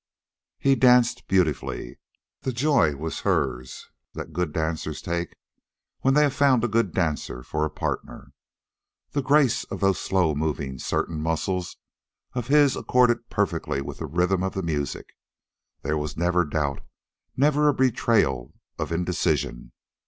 He danced beautifully. The joy was hers that good dancers take when they have found a good dancer for a partner. The grace of those slow moving, certain muscles of his accorded perfectly with the rhythm of the music. There was never doubt, never a betrayal of indecision.